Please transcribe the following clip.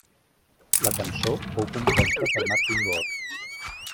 La cançó fou composta per Martin Gore.